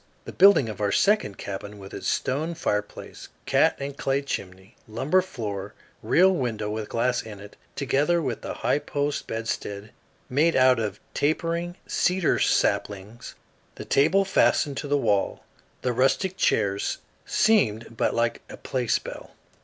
The building of our second cabin with its stone fireplace, cat and clay chimney, lumber floor, real window with glass in it, together with the high post bedstead made out of tapering cedar saplings, the table fastened to the wall, the rustic chairs, seemed but like a play spell.